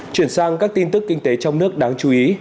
chuyển sang các tin tức kinh tế trong nước đáng chú ý